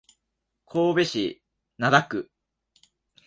神戸市灘区